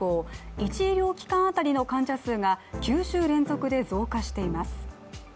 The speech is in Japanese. １医療機関当たりの患者数が９週連続で増加しています。